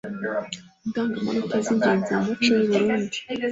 Indengemenote z’ingenzi mu muco w’u Burunndi,